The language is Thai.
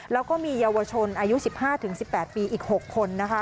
แล้วก็มีเยาวชนอายุ๑๕๑๘ปีอีก๖คน